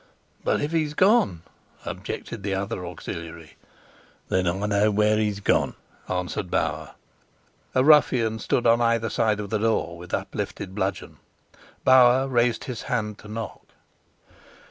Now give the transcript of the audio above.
"But if he's gone?" objected the other auxiliary. "Then I know where he's gone," answered Bauer. "Are you ready?" A ruffian stood on either side of the door with uplifted bludgeon. Bauer raised his hand to knock.